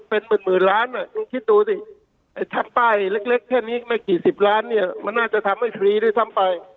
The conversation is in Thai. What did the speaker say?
เป็นหมื่นล้านคิดดูสิไอ้ป้ายเล็กแค่นี้ไม่กี่สิบล้านเนี่ยมันน่าจะทำให้ฟรีด้วยซ้ำไป